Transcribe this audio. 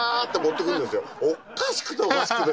おかしくておかしくて。